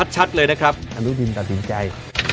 ชัดเลยนะครับอนุทินตัดสินใจ